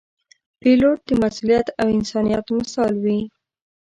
پیلوټ د مسؤلیت او انسانیت مثال وي.